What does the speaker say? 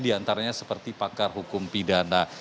di antaranya seperti pakar hukum pidana